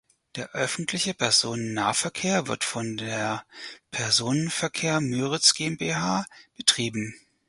Der öffentliche Personennahverkehr wird von der "Personenverkehr Müritz GmbH" betrieben.